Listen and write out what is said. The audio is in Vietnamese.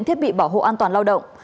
thiết bị bảo hộ an toàn lao động